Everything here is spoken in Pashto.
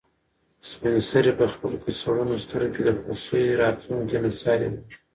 سپین سرې په خپل کڅوړنو سترګو کې د خوښۍ راتلونکې نڅا لیده.